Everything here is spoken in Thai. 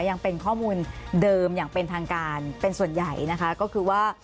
ยังเป็นข้อมูลเดิมอย่างเป็นทางการเป็นส่วนใหญ่นะคะก็คือว่า